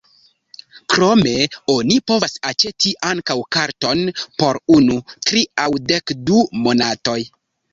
Krome oni povas aĉeti ankaŭ karton por unu, tri aŭ dekdu monatoj.